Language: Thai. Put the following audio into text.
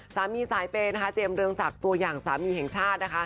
สามีสายเปย์เจมส์เริ่มศักดิ์ตัวอย่างสามีแห่งชาติ